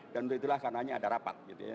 dan untuk itulah karna hanya ada rapat gitu ya